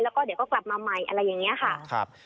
แล้วก็เดี๋ยวก็กลับมาใหม่อะไรอย่างนี้ค่ะ